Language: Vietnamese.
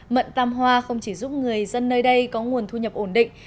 mận tam hoa không chỉ giúp người dân nơi đây có nguồn thu nhập ổn định